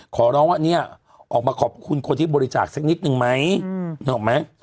ขอร้องว่าเนี่ยออกมาขอบคุณคนที่บริจาคสักนิดนึงไหมนึกออกไหม